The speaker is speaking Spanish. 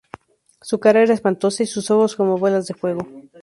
Su cara era espantosa y sus ojos como bolas de fuego.